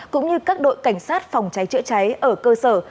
cũng như các đội cảnh sát phòng cháy chữa cháy ở cơ sở